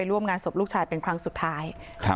ร่วมงานศพลูกชายเป็นครั้งสุดท้าย